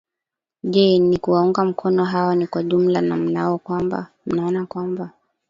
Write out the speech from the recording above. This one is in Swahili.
je ni kuwaunga mkono hawa ni kwa jumla na mnaona kwamba